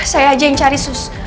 saya aja yang cari sus